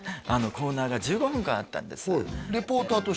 コーナーが１５分間あったんです違います